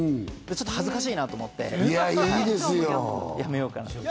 ちょっと恥ずかしいなと思って、やめようかなと。